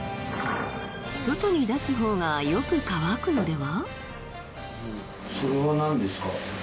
外に出すほうがよく乾くのでは？